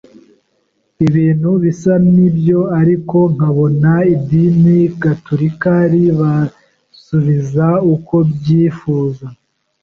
Ibintu bisa n’ibyo ariko nkabona idini gatulika ritabinsubiza uko mbyifuza